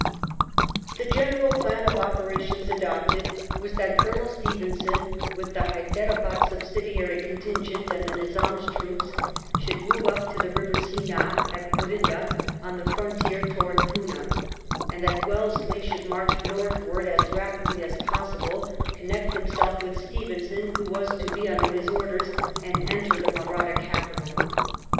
The general plan of operations adopted was that Colonel Stevenson, with the Hyderabad subsidiary con tingent and the Nizam's troops, should move up to the river Seenah at Purinda^ on the frontier towards Poona ; and that Wellesley should march northward as rapidly as possible, connect himself with Stevenson, who was to be under his orders, and enter the Mahratta capital.